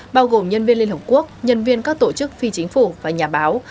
bao gồm nhân viên liên hợp quốc nhân viên các tổ chức phi chính phủ và nhà báo